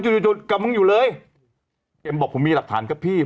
จะดูดกับมึงอยู่เลยเองบอกว่ามีหลักฐานกับพี่